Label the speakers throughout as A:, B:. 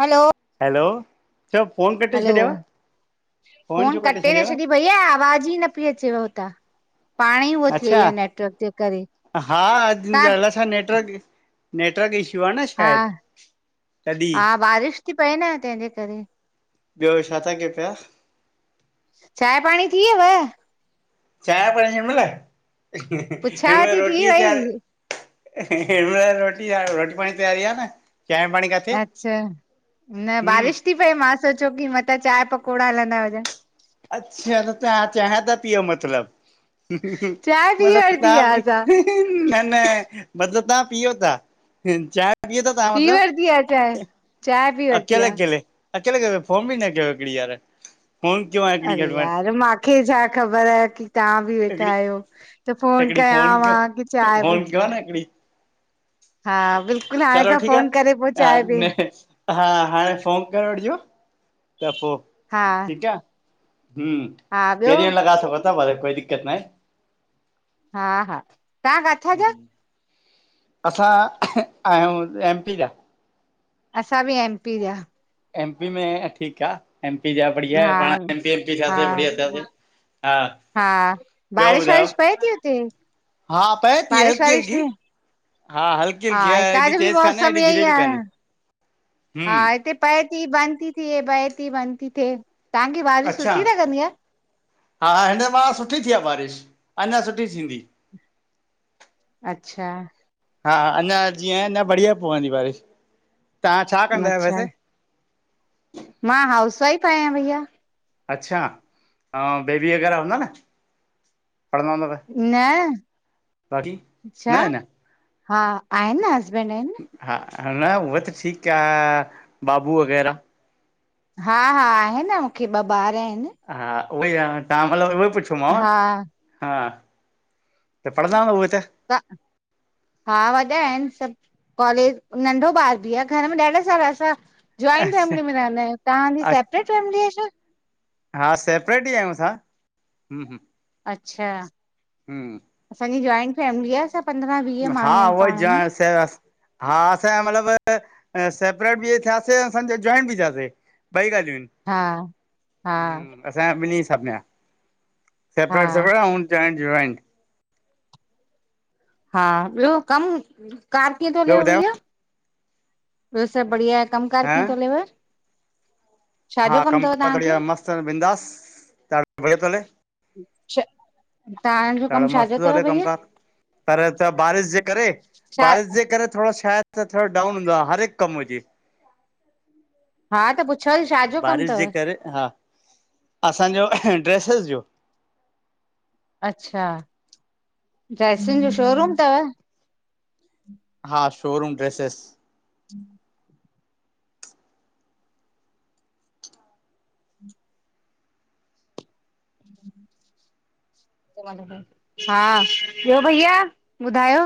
A: हलो
B: hello, चओ phone कटे
A: hello
B: छॾियव?
A: फोन कटे न छॾी भईया, आवाज़ ई न पई अचेव हुतां। पाण ई उहो थी
B: अच्छा,
A: वई नेटवर्क जे करे
B: हा अॼु
A: तव्हां
B: अलाए छा नेटवर्क नेटवर्क इश्यू
A: हा हा बारिश थी पए न, तंहिंजे करे।
B: ॿियो छा था कयो पिया?
A: चांय पाणी थी वयव?
B: चाय पाणी हिनमल,
A: पुछांव
B: हिनमल
A: थी
B: रोटी
A: थी
B: जी
A: वई
B: तयार हिनमल रोटी आ रोटी पाणी तयारी आ न, चांय पाणी का
A: अच्छा, न बारिश थी पए, मां सोचियो की मतां चांय पकोड़ा हलंदा हुजन।
B: अच्छा, त तव्हां चांहे ता पियो मतलब।
A: चांहि पी
B: मतलब
A: वरिती
B: तहां
A: आहे
B: ॿि
A: असां
B: न न, मतलब तहां पीओ था चा पी वतव तां मतलब,
A: वरिती आहे चांहि चांहि पी वरिती
B: अकेले
A: आहे
B: अकेले। अकेल केले, फोन ॿि न कयव हिकिड़ी यार, फोन कयो आहे हिकिड़ी
A: अरे
B: घटि में
A: यार,
B: घटि
A: मांखे छा ख़बर की तहां ॿि वेठा
B: हिकिड़ी
A: आयो। त फोन कयांव की चांहे भ
B: गा न हिकड़ी।
A: हा बिल्कुलु, हाणे
B: चलो
A: खां
B: ठीकु
A: फोन करे पो
B: आहे हा
A: चांय पी
B: न हा, हाणे फ़ोन करे वठिजो। त पो
A: हा,
B: हूं,
A: हा ॿियो
B: केड़े हंद लॻा सगो था, कोई दिक़त न आए।
A: हा हा, तां काथां जा?
B: आहे असां आयूं एम पी जा।
A: असां बि एम पी जा।
B: एम पी में अ ठीक आ, एम पी जा बढ़िया आ
A: हा
B: पाण ए एम पी जा
A: हा
B: थियासे, बढ़िया थियासे। हा,
A: हा, बारिश वारिश पई थी हुते?
B: हा पए थी
A: बारिश
B: हल्की
A: वारिश
B: हल्की
A: थी
B: हा हल
A: हा इतां जो बि मौसम इये यई आहे हा
B: हम्म
A: इते पए थी बंद थी थे पए थी बंद थी थे तव्हांखे वारिश
B: अच्छा
A: सुठी लॻंदी आ?
B: हा हा, हिन मा सुठी थी आ बारिश अञा सुठी थींदी।
A: अच्छा,
B: हा अञा जीअं अञा बढ़िया पवंदी बारिश तव्हां छा कंदा आयो
A: अच्छा
B: बैसे।
A: मां हाउस वाइफ आयां भैया।
B: अच्छा, आंव बेबी वग़ैरा हूंदा न पढ़ंदा हूंद त।
A: न, छा
B: न न
A: हा आहिन न हसबैंड आहिन।
B: हा ह न उअ त ठीक आ, बाबू वग़ैर।
A: हा हा, आहे न मूंखे ॿ ॿार आहिन।
B: हा उहोई आ तवां मतलब उहोई पुछियोमांव।
A: हा
B: हा त पढ़ंदा अन उहे त?
A: ता, हा वॾा आहिन सभ कॉलेज नंढो ॿार बि आ घर में ॾाढा सारा असां जॉइंट
B: अच्छा
A: फैमिली में रहंदायूं तव्हांजी सेपरेट फैमिली आहे छा?
B: हा सेपरेट ई आयूं असां हूं हू़।
A: अच्छा,
B: हूं,
A: असांजी जॉइंट फैमिली आ सभु।
B: हा उएई जा से अस हा असांजा मतलब अ सेपरेट बि थियासे असांज जॉइंट बि थियासे। बई ॻाल्हियूं आहिन।
A: हा, हा
B: असांजा ॿिनि सब में आ।
A: हा
B: सेपरेट सपरेट ऐं चाहे जॉइट।
A: हा ॿियो कम कार कीअं थो
B: ॿियो
A: हलेव
B: ॿुधायो
A: भैया? ॿियो सभ बढ़िया। कम कार
B: ह
A: कीअं थो हलेव? छा जो कम तव तव्हांखे?
B: असां जो बिंदास ॾाढो बढ़िया तो हले।
A: [inaudible] तव्हां
B: ॾाढो मस्त थो हले कम कार। पर त बारिश जे करे
A: छा
B: बारिश जे करे थोड़ो छाहे त थोड़ो डाउन हूंदो आ, हर हिक कम हुजे।
A: हा त पुछांती छा
B: बारिश जे करे हा, असांजो ड्रेसिज जो।
A: अच्छा ड्रेसुन जो शोरूम तव?
B: हा शोरूम ड्रेसेस।
A: हम्म - -
B: [inaudible]
A: हा, ॿियो भईया ॿुधायो।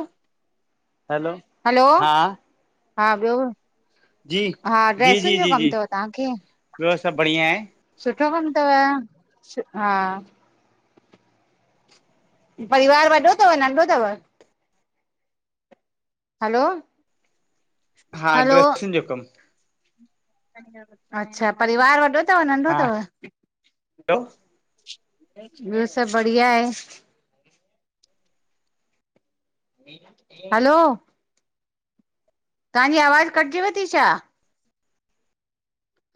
B: Hello,
A: hello! हा, ॿियो
B: जी
A: हा
B: जी
A: ड्रेसुन
B: जी
A: जो
B: जी
A: कम
B: जी
A: अथव तव्हांखे।
B: ॿियो सब बढ़िया आहे।
A: सुठो कम तव हा। परिवार वॾो तव नंढो तव। हलो!
B: हा,
A: हलो
B: ड्रेसुन जो कम।
A: अच्छा परिवार वॾो तव व नंढो
B: हा
A: तव।
B: हैलो
A: ॿियो सब बढ़िया आहे। हलो! तांजी आवाज़ कटजेव ती छा?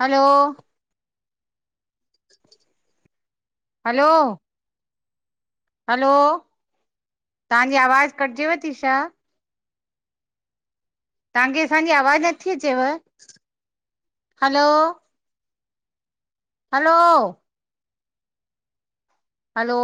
A: हलो! हलो। हलो! तहांजी आवाज़ कटजेव ती छा? तहांखे असांजी आवाज़ नथी अचेव? हलो! हलो! हलो!